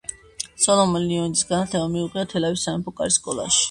სოლომონ ლიონიძეს განათლება მიუღია თელავის სამეფო კარის სკოლაში.